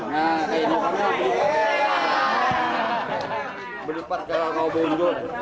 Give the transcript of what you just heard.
nah kayak gini